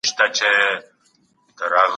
سياسي واک د واکمنانو لخوا کارول کېږي.